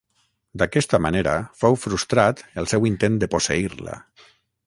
D'aquesta manera fou frustrat el seu intent de posseir-la.